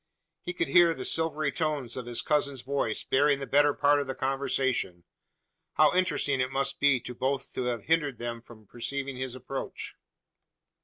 He could hear the silvery tones of his cousin's voice bearing the better part of the conversation. How interesting it must be to both to have hindered them from perceiving his approach!